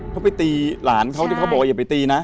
เขาไปตีหลานเขาที่เขาบอกว่าอย่าไปตีนะ